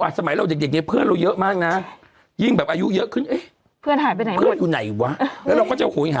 วันหนึ่งมันก็คงแบบเนอะ